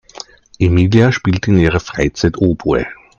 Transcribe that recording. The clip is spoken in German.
Emilia spielt in ihrer Freizeit Oboe.